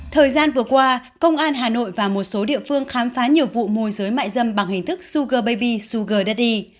thời gian vừa qua công an hà nội và một số địa phương khám phá nhiều vụ môi giới mại dâm bằng hình thức suger baby suger daddy